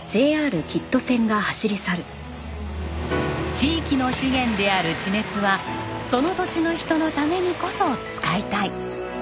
地域の資源である地熱はその土地の人のためにこそ使いたい。